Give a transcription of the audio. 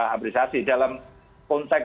abrisasi dalam konteks